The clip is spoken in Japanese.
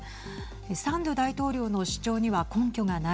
サンドゥ大統領の主張には根拠がない。